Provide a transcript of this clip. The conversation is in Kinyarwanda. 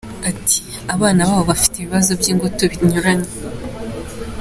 Ati” Abana babo bafite ibibazo by’ingutu binyuranye.